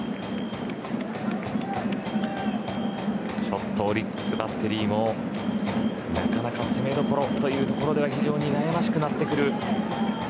ちょっとオリックスバッテリーもなかなか攻めどころというところでは非常に悩ましくなってくる。